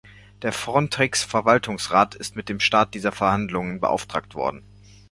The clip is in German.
Der Frontex-Verwaltungsrat ist mit dem Start dieser Verhandlungen beauftragt worden.